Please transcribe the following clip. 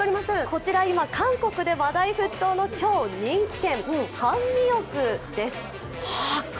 こちら今、韓国で話題沸騰の超人気店、ハンミオクです。